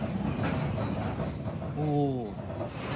おお。